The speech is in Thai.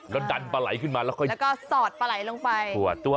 แล้วดันปลาไหลขึ้นมาแล้วก็สอดปลาไหลลงไป